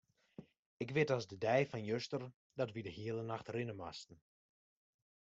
Ik wit as de dei fan juster dat wy de hiele nacht rinne moasten.